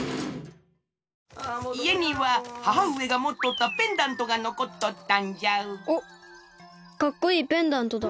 いえにはははうえがもっとったペンダントがのこっとったんじゃかっこいいペンダントだ。